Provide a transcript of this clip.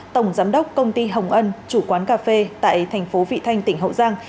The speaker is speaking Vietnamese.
tổng giám đốc công ty hồng ân chủ quán cà phê tại thành phố vị thanh tỉnh hậu giang